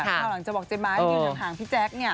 พร้อมจะบอกเจมมาให้ดีอย่างทางพี่แจ๊กเนี่ย